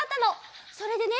それでね